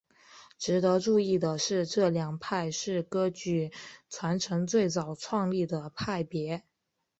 值得注意的是这两派是噶举传承最早创立的派别。